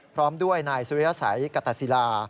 พร้อมด้วยนายสุริยสัยกตศิลา